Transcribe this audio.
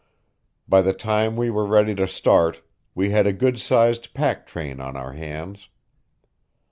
By the time we were ready to start we had a good sized pack train on our hands.